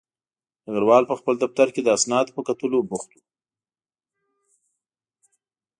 ډګروال په خپل دفتر کې د اسنادو په کتلو بوخت و